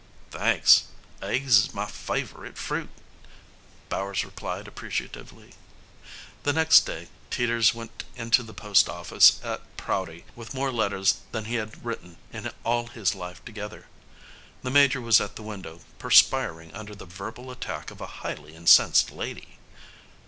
"Thanks. Aigs is my favor ite fruit," Bowers replied appreciatively. The next day Teeters went into the post office at Prouty with more letters than he had written in all his life together. The Major was at the window perspiring under the verbal attack of a highly incensed lady.